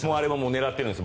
狙ってるんです。